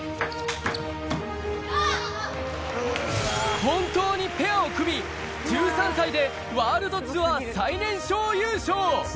本当にペアを組み、１３歳でワールドツアー最年少優勝！